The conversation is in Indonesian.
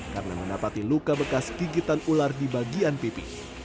karena mendapati luka bekas gigitan ular di bagian pipi